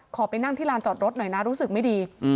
ไปนั่งที่ลานจอดรถหน่อยนะรู้สึกไม่ดี